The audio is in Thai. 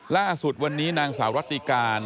ล่าสุดวันนี้นางสาวรัติการ